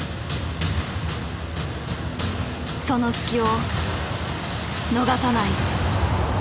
その隙を逃さない。